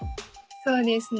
そうですね。